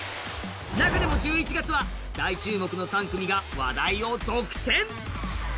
中でも１１月は大注目の３組が話題を独占。